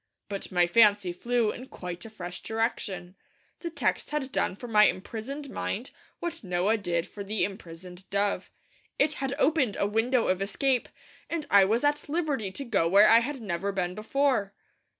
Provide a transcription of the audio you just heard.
But my fancy flew in quite a fresh direction. The text had done for my imprisoned mind what Noah did for the imprisoned dove. It had opened a window of escape, and I was at liberty to go where I had never been before.